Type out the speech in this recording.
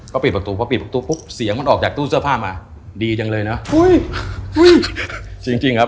ก็ปิดประตูปุ๊บเสียงมันออกจากตู้เสื้อผ้ามาดีจังเลยเนอะจริงครับ